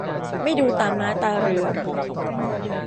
ไม่ดูตาม้าตาเรือ